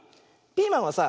ピーマンはさ